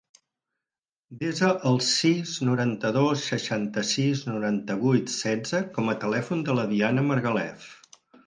Desa el sis, noranta-dos, seixanta-sis, noranta-vuit, setze com a telèfon de la Dina Margalef.